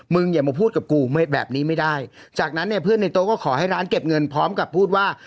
อย่ามาพูดกับกูแบบนี้ไม่ได้จากนั้นเนี่ยเพื่อนในโต๊ะก็ขอให้ร้านเก็บเงินพร้อมกับพูดว่า